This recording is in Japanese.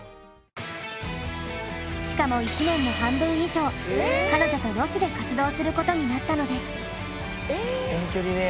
しかも１年の半分以上彼女とロスで活動することになったのです。